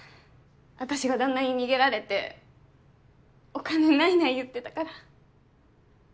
私が旦那に逃げられてお金ないない言ってたから。